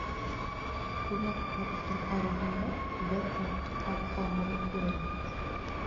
Күмәк аттың араһында бер аттың аҡһағаны күренмәҫ.